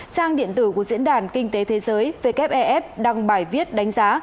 trang điện tử của diễn đàn kinh tế thế giới wef đăng bài viết đánh giá